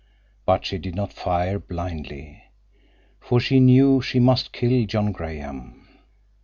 But she did not fire blindly, for she knew she must kill John Graham.